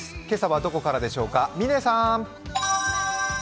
今朝はどこからでしょうか？